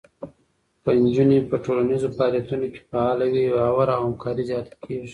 که نجونې په ټولنیزو فعالیتونو کې فعاله وي، باور او همکاري زیاته کېږي.